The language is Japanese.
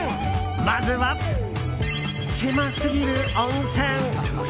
まずは、狭すぎる温泉。